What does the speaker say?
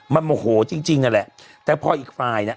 มันโมโหจริงจริงนั่นแหละแต่พออีกฝ่ายน่ะ